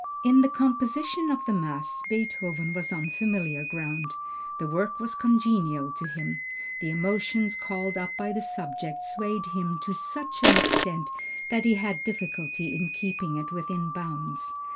In the composition of the mass, Beethoven was on familiar ground; the work was congenial to him. The emotions called up by the subject swayed him to such an extent that he had difficulty in keeping it within bounds.